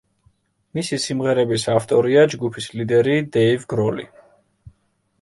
მისი სიმღერების ავტორია ჯგუფის ლიდერი დეივ გროლი.